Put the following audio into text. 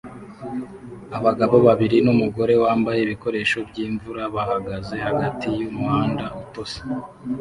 Abagabo babiri numugore wambaye ibikoresho byimvura bahagaze hagati yumuhanda utose